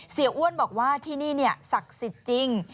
อ้วนบอกว่าที่นี่ศักดิ์สิทธิ์จริง